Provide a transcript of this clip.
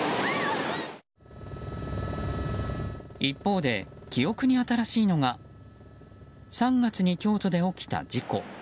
一方で記憶に新しいのが３月に京都で起きた事故。